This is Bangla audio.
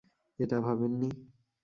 এটা ভাবেননি?